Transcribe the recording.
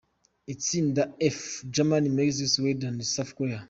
Itsinda F: Germany, Mexico, Sweden, South Korea.